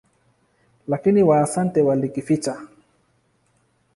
Lakini Waasante walikificha.